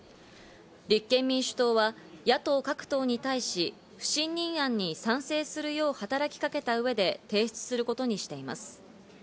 立憲民主党は野党各党に対し、不信任案に賛成するよう働きかけた上で提出することにしています。